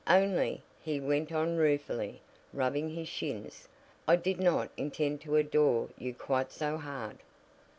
"Only," he went on ruefully, rubbing his shins, "I did not intend to adore you quite so hard."